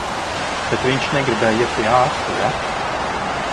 Bet viņš negribēja iet pie ārsta, ja?